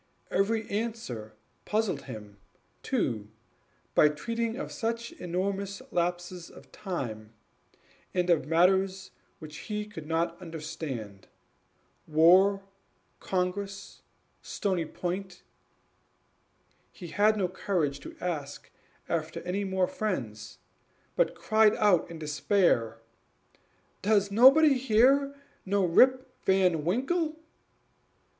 Every answer puzzled him too, by treating of such enormous lapses of time, and of matters which he could not understand: war Congress Stony Point; he had no courage to ask after any more friends, but cried out in despair, "Does nobody here know Rip Van Winkle?"